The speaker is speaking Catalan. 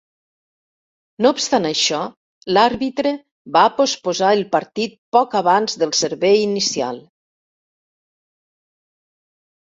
No obstant això, l'àrbitre va posposar el partit poc abans del servei inicial.